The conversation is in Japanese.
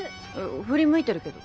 振り向いてるけど。